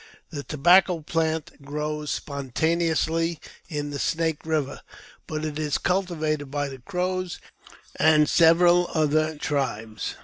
The tobacco plant grows spontaneously in the Snake country, but it is cultivated by the Crows and several other tribes.